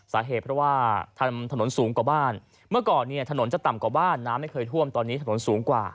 สาเหตุเพราะว่าทำถนนสูงกว่าบ้านเมื่อก่อนเนี่ยถนนจะต่ำกว่าบ้านน้ำไม่เคยท่วมตอนนี้ถนนสูงกว่า